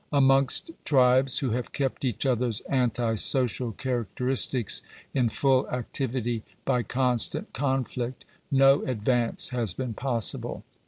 Amongst tribes who have kept each other s anti social characteristics in full activity by constant conflict, no advance has been possible.